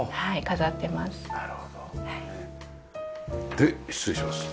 で失礼します。